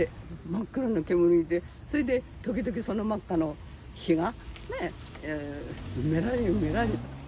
真っ黒な煙で、それで時々その真っ赤な火がね、めらめら。